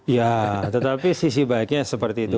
ya tetapi sisi baiknya seperti itu